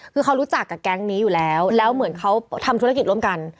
คือเขารู้จักกับแก๊งนี้อยู่แล้วแล้วเหมือนเขาทำธุรกิจร่วมกัน